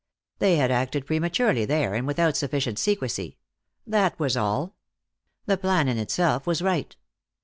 They had acted prematurely there and without sufficient secrecy. That was all. The plan in itself was right.